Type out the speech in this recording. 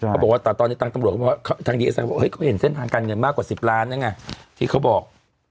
เขาบอกว่าตอนนี้ตลาดตำรวจเช้นเงินมากกว่า๑๐ล้านที่เขาบอก